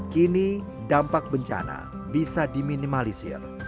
kini dampak bencana bisa di minimalisir